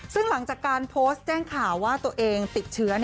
ซึ่งหลังจากการโพสต์แจ้งข่าวว่าตัวเองติดเชื้อ